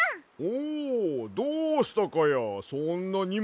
おどうしたかやそんなにもつもって。